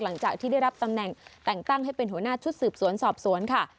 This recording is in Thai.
หลังจากที่ได้รับตำแหน่งแต่งตั้งให้เป็นหัวหน้าชุดสืบสวนสอบสวนค่ะ